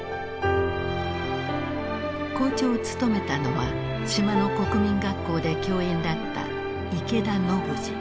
校長を務めたのは島の国民学校で教員だった池田信治。